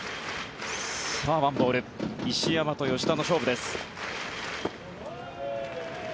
１ボール石山と吉田の勝負です。